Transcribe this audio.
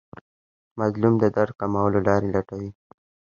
مظلوم د درد کمولو لارې لټوي.